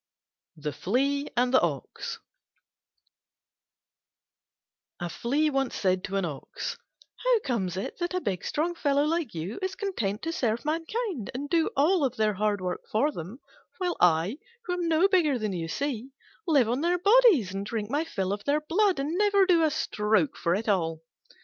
THE FLEA AND THE OX A Flea once said to an Ox, "How comes it that a big strong fellow like you is content to serve mankind, and do all their hard work for them, while I, who am no bigger than you see, live on their bodies and drink my fill of their blood, and never do a stroke for it all?"